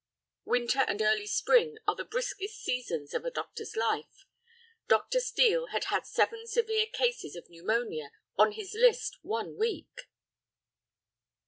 Winter and early spring are the briskest seasons of a doctor's life. Dr. Steel had had seven severe cases of pneumonia on his list one week.